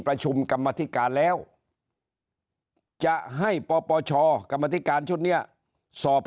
ประชุมกรรมธิการแล้วจะให้ปปชกรรมธิการชุดนี้สอบ